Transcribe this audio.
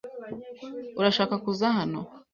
Urashaka kuza hano?